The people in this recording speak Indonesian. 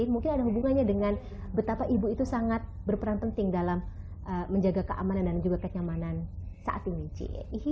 mungkin ada hubungannya dengan betapa ibu itu sangat berperan penting dalam menjaga keamanan dan juga kenyamanan saat ini